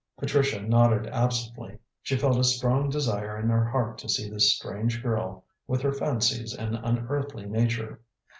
Patricia nodded absently. She felt a strong desire in her heart to see this strange girl with her fancies and unearthly nature.